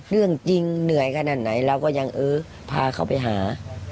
เรื่องจริงเหนื่อยขนาดไหนเราก็ยังเออพาเขาไปหา